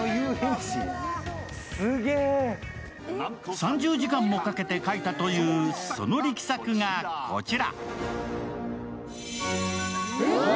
３０時間もかけて描いたというその力作がこちら。